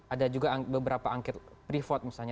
ada juga beberapa angket pripot misalnya